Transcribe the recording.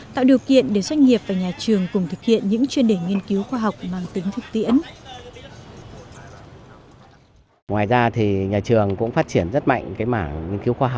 tạo điều kiện để doanh nghiệp và nhà trường cùng thực hiện những chuyên đề nghiên cứu khoa học mang tính thực tiễn